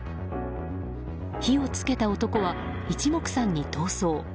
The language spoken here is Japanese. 火をつけた男は一目散に逃走。